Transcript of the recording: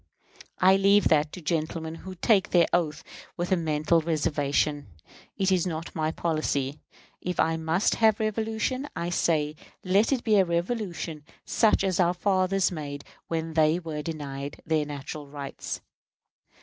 I leave that to gentlemen who take the oath with a mental reservation. It is not my policy. If I must have revolution, I say let it be a revolution such as our fathers made when they were denied their natural rights.